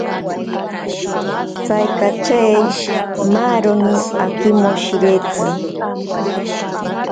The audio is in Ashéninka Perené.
Saikachei maaroni akimoshiretsi.